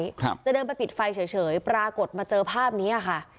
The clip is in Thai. ครับจะเดินไปปิดไฟเฉยเฉยปรากฏมาเจอภาพนี้อ่ะค่ะ